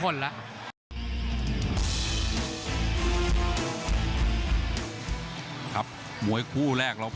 แล้ว